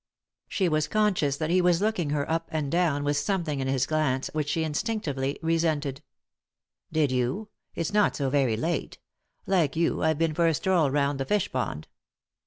She was conscious that he was looking her up and down with something in his glance which she instinct ively resented " Did you ? It's not so very late. Like you, I've been for a stroll round the fishpond."